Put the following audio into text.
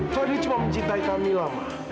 fadil cuma mencintai kamila ma